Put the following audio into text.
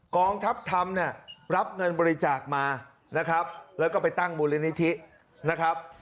กองทัพธรรมเนี่ยรับเงินบริจาคมานะครับแล้วก็ไปตั้งมูลนิธินะครับ